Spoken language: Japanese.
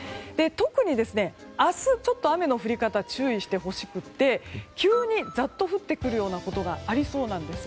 特に明日、雨の降り方に注意してほしくて急にざっと降ってくるようなことがありそうなんです。